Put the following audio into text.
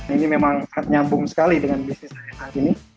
ini memang nyambung sekali dengan bisnis saya saat ini